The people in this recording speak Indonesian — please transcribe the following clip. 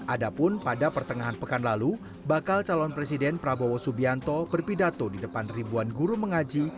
adapun pada pertengahan pekan lalu bakal calon presiden prabowo subianto berpidato di depan ribuan guru mengaji